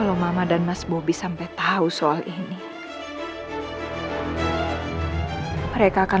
tidak bisa ini indahgut